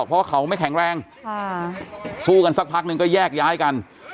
เพราะเขาไม่แข็งแรงสู้กันสักพักนึงก็แยกย้ายกัน